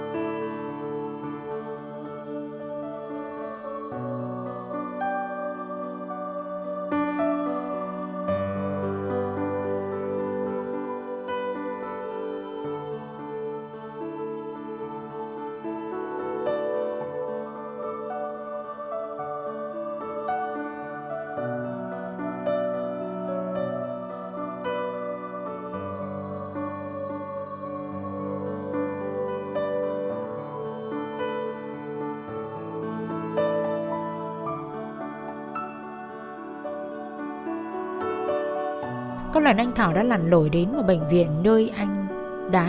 thật đẹp nhất là nhìn thấy được tên là thần nha